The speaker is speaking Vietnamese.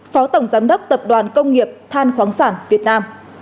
phó tổng giám đốc tập đoàn công nghiệp than khoáng sản việt nam